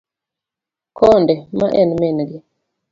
Konde ma en min gi.